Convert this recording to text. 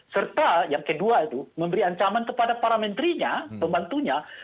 serta yang kedua itu memberi ancaman kepada para menterinya pembantunya